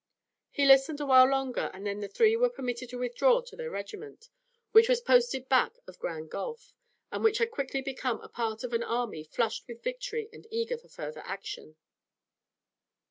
He listened a while longer and then the three were permitted to withdraw to their regiment, which was posted back of Grand Gulf, and which had quickly become a part of an army flushed with victory and eager for further action.